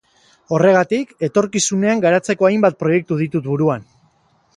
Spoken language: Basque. Horregatik, etorkizunean garatzeko hainbat proiektu ditut buruan.